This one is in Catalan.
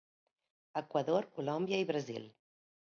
Equador, Colòmbia i Brasil.